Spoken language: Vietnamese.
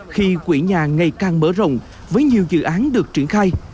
khi quỹ nhà ngày càng mở rộng với nhiều dự án được triển khai